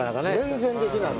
全然できない。